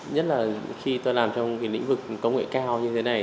nhất là khi tôi làm trong cái lĩnh vực công nghệ cao như thế này